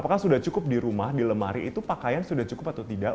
apakah sudah cukup di rumah di lemari itu pakaian sudah cukup atau tidak